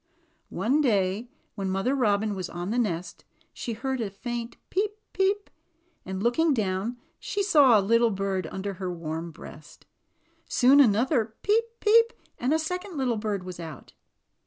One day when Mother Robin was on the nest, she heard a faint ^^peep, peep!'' and looking down saw a little bird under her warm breast. Soon came another ^^peep, peep!" and a second little bird was out.